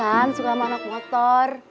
bukan suka sama anak motor